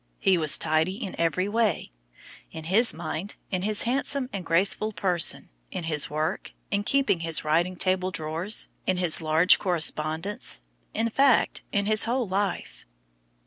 He was tidy in every way—in his mind, in his handsome and graceful person, in his work, in keeping his writing table drawers, in his large correspondence, in fact in his whole life.